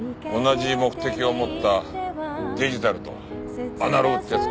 同じ目的を持ったデジタルとアナログってやつか。